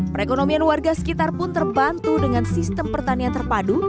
perekonomian warga sekitar pun terbantu dengan sistem pertanian terpadu